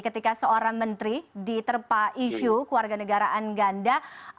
ketika seorang menteri diterpa isu warga negara angganda